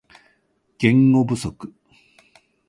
言語不足